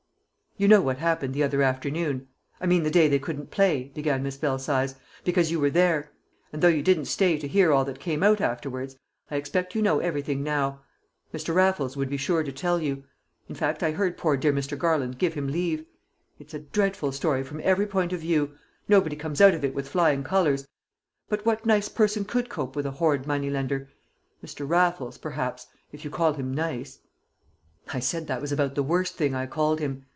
"You know what happened the other afternoon I mean the day they couldn't play," began Miss Belsize, "because you were there; and though you didn't stay to hear all that came out afterwards, I expect you know everything now. Mr. Raffles would be sure to tell you; in fact, I heard poor dear Mr. Garland give him leave. It's a dreadful story from every point of view. Nobody comes out of it with flying colours, but what nice person could cope with a horrid money lender? Mr. Raffles, perhaps if you call him nice!" I said that was about the worst thing I called him.